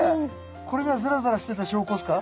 これがザラザラしてた証拠ですか？